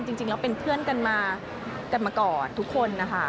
จริงแล้วเป็นเพื่อนกันมากันมาก่อนทุกคนนะคะ